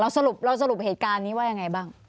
สรุปเราสรุปเหตุการณ์นี้ว่ายังไงบ้าง